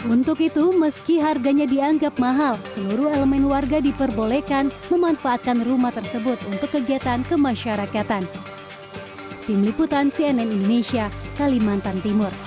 untuk itu meski harganya dianggap mahal seluruh elemen warga diperbolehkan memanfaatkan rumah tersebut untuk kegiatan kemasyarakatan